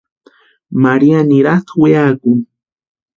María nirhatʼi weakuni.